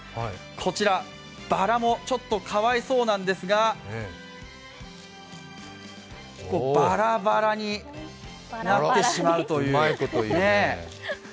こちら、ばらもちょっとかわいそうなんですがばらばらになってしまうという。